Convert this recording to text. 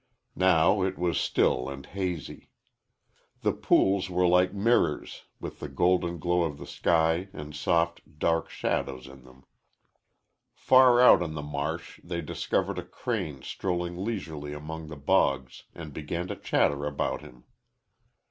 Now it was still and hazy. The pools were like mirrors with the golden glow of the sky and soft, dark shadows in them. Far out on the marsh they discovered a crane strolling leisurely among the bogs, and began to chatter about him.